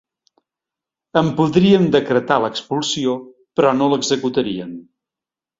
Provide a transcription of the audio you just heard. En podrien decretar l’expulsió, però no l’executarien.